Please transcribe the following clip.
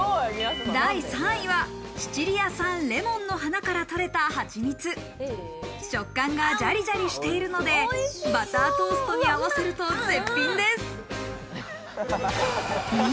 第３位は、シチリア産レモンの花から取れた蜂蜜。食感がジャリジャリしているので、バタートーストに合わせると絶品です。